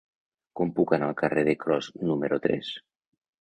Com puc anar al carrer de Cros número tres?